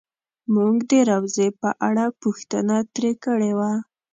مونږ د روضې په اړه پوښتنه ترې کړې وه.